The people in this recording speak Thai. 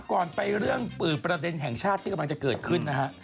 ก่อนไปเรื่องประเด็นแห่งชาติที่กำลังจะเกิดขึ้นนะฮะ